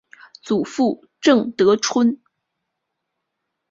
祖父郑得春。